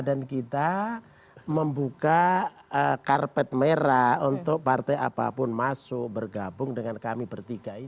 dan kita membuka karpet merah untuk partai apapun masuk bergabung dengan kami bertiga itu